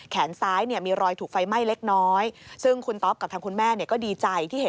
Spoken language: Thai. แขนซ้ายมีรอยถูกไฟไหม้เล็กน้อยคุณตอบกับท่างคุณแม่ก็ดีใจ